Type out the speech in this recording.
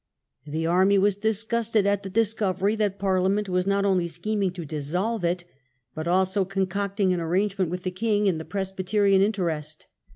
The army was disgusted at the discovery that Parliament was not only scheming to dissolve it, but also concocting an arrangement with the king in the Presbyterian interest.